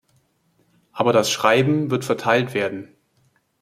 Aber das Schreiben wird verteilt werden.